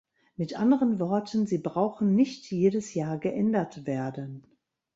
Mit anderen Worten, sie brauchen nicht jedes Jahr geändert werden.